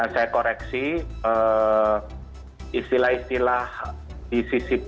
saya koreksi istilah istilah di ccp